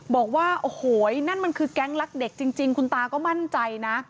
บอกว่าโอ้โหนั่นมันคือแก๊งรักเด็กจริงคุณตาก็มั่นใจนะ